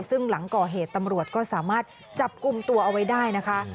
ซึ่งหลังก่อเหตุตำรวจก็สามารถจับกลุ่มตัวเอาไว้ได้นะคะ